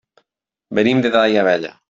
Venim de Daia Vella.